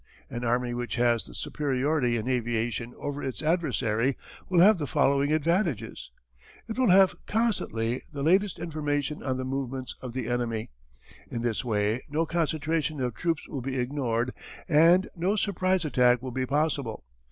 An army which has the superiority in aviation over its adversary will have the following advantages: "It will have constantly the latest information on the movements of the enemy. In this way, no concentration of troops will be ignored and no surprise attack will be possible.